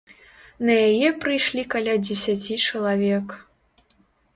На яе прыйшлі каля дзесяці чалавек.